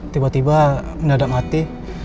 tiba tiba mendadak mati